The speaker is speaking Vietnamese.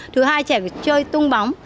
thứ hai trẻ có thể chơi tung bóng